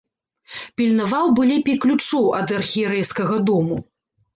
Пільнаваў бы лепей ключоў ад архірэйскага дому.